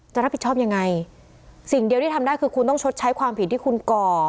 จะรับผิดชอบยังไงสิ่งเดียวที่ทำได้คือคุณต้องชดใช้ความผิดที่คุณก่อ